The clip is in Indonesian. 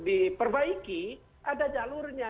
diperbaiki ada jalurnya